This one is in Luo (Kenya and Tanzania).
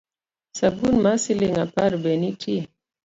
Sabun mar siling’ apar be nitie?